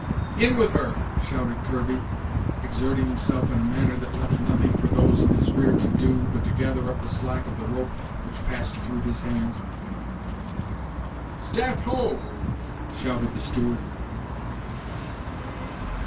"In with her," shouted Kirby, exerting himself in a manner that left nothing for those in his rear to do, but to gather up the slack of the rope which passed through his hands. "Staff, ho!" shouted the steward.